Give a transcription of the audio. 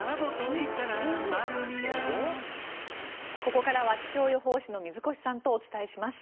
ここからは気象予報士の水越さんとお伝えします。